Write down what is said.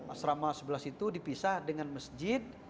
asrama sebelah situ dipisah dengan masjid